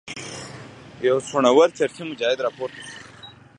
یو څڼور چرسي مجاهد راپورته شو.